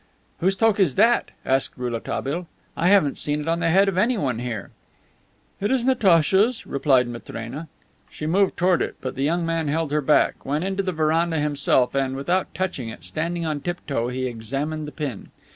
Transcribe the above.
"Whose toque is that?" asked Rouletabille. "I haven't seen it on the head of anyone here." "It is Natacha's," replied Matrena. She moved toward it, but the young man held her back, went into the veranda himself, and, without touching it, standing on tiptoe, he examined the pin.